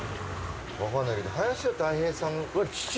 わかんないけど林家たい平さん。